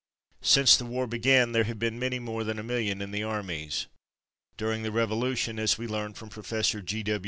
Since the war began there have been many more than a million in the armies. During the Revolution (as we learn from Professor G.